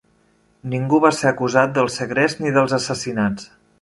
Ningú va ser acusat del segrest ni dels assassinats.